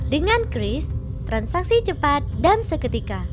dengan kris transaksi cepat dan seketika